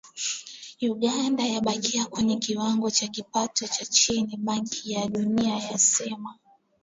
Uganda yabakia kwenye kiwango cha kipato cha chini, Benki ya Dunia yasema